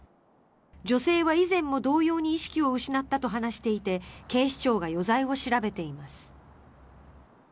女性は以前も同様に意識を失ったと話していて警視庁が余罪を調べています。